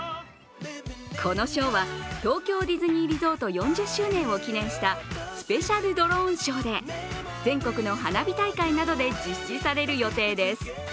このショーは東京ディズニーリゾート４０周年を記念したスペシャルドローンショーで全国の花火大会などで実施される予定です。